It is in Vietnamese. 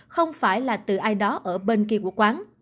không phải là từ ai đó ở bên kia của quán